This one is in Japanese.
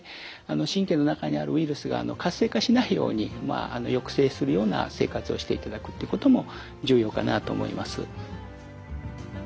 神経の中にあるウイルスが活性化しないように抑制するような生活をしていただくということも重要かなと思います。